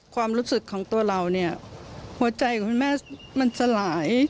ความรู้สึกของตัวเราเนี่ยหัวใจของคุณแม่มันสลาย